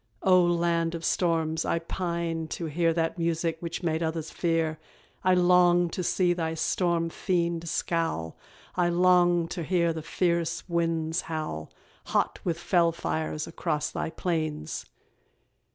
O land of storms, I pine to hear That music which made others fear; I long to see thy storm fiend scowl, I long to hear the fierce winds howl, Hot with fell fires, across thy plains.